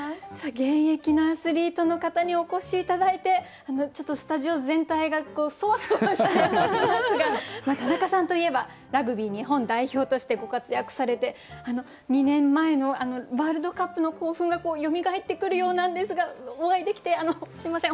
現役のアスリートの方にお越し頂いてちょっとスタジオ全体がそわそわしておりますが田中さんといえばラグビー日本代表としてご活躍されて２年前のワールドカップの興奮がよみがえってくるようなんですがお会いできてすみません